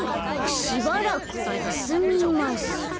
「しばらく休みます」。